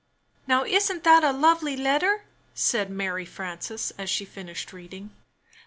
'Xovely "Now, isn't that a lovely letter!" said Mary Frances, as she finished reading.